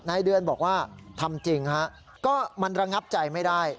นายเดือนบอกว่าทำจริงฮะก็มันระงับใจไม่ได้